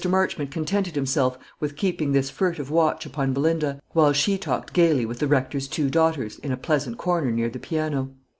Marchmont contented himself with keeping this furtive watch upon Belinda, while she talked gaily with the Rector's two daughters in a pleasant corner near the piano.